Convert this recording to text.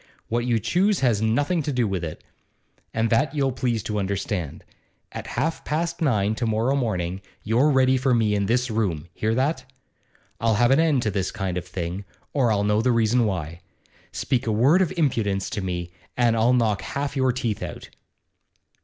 What you choose has nothing to do with it, and that you'll please to understand. At half past nine to morrow morning you're ready for me in this room; hear that? I'll have an end to this kind of thing, or I'll know the reason why. Speak a word of impudence to me and I'll knock half your teeth out!